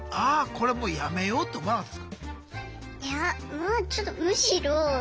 これもうやめようって思わなかったですか？